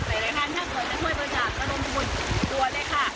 หรือหลายคนถ้าเกิดจะช่วยบริการกระโนมัติภูมิกลัวด้วยค่ะ